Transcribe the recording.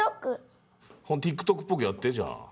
ＴｉｋＴｏｋっぽくやってじゃあ。